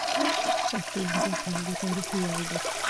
پښتو ژبه زموږ د تاریخ ویاړ دی.